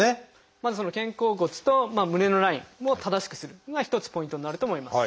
まずその肩甲骨と胸のラインを正しくするのが一つポイントになると思います。